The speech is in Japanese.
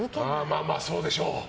まあまあ、そうでしょう。